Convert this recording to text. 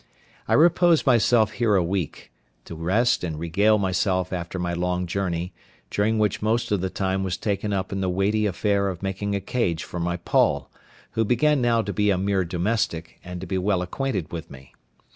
I reposed myself here a week, to rest and regale myself after my long journey; during which most of the time was taken up in the weighty affair of making a cage for my Poll, who began now to be a mere domestic, and to be well acquainted with me.